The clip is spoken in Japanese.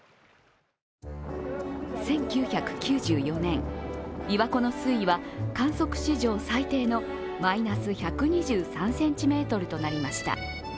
１９９４年、琵琶湖の水位は観測史上最低のマイナス１２３ｃｍとなりました。